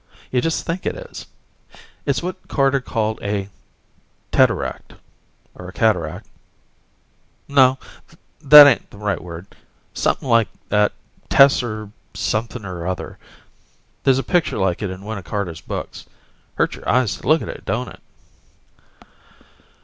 You just think it is. It's what Carter called a teteract, or a cataract ... no, that ain't the right word. Somepin' like that tesser something or other. There's a picture like it in one of Carter's books. Hurts your eyes to look at it, don't it?